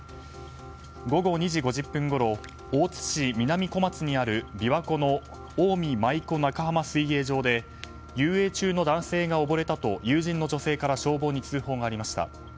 午後２時５０分ごろ大津市南小松にある琵琶湖の近江舞子中浜水泳場で遊泳中の男性が溺れたと友人の女性から消防に通報がありました。